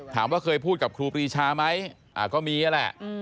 ถามว่าเคยพูดกับครูปรีชาไหมก็มีนั่นแหละ